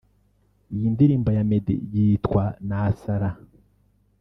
Iyi ndirimbo ya Meddy yitwa “Nasara”